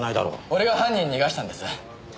俺が犯人逃がしたんです！